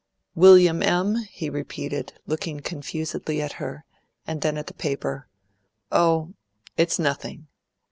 "'Wm. M.'!" he repeated, looking confusedly at her, and then at the paper. "Oh, it's nothing."